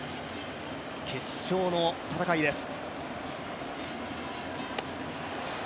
決勝の戦いです。